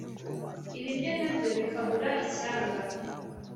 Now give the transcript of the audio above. ibiryo na byo bikabura icyanga